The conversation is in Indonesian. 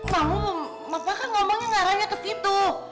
mama masakah ngomongnya ngarahnya ke situ